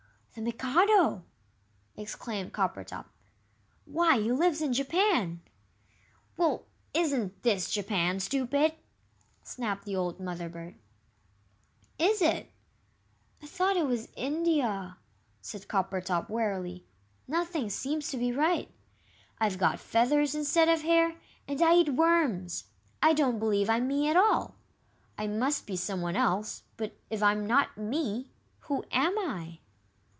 "The Mikado!" exclaimed Coppertop; "why, he lives in Japan!" "Well, isn't this Japan, stupid?" snapped the old Mother bird. "Is it? I thought it was India," said Coppertop, wearily, "nothing seems to be right. I've got feathers instead of hair, and I eat worms! I don't believe I'm me at all! I must be someone else, but if I'm not 'me,' who am I?"